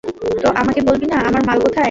তো আমাকে বলবি না আমার মাল কোথায়।